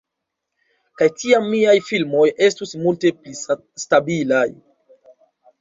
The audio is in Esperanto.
Kaj tiam miaj filmoj estus multe pli stabilaj.